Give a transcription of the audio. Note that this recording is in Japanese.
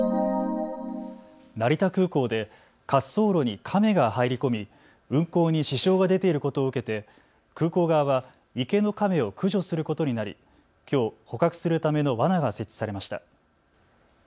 成田空港で滑走路にカメが入り込み運航に支障が出ていることを受けて空港側は池のカメを駆除することになりきょう、捕獲するためのわなが設置されました。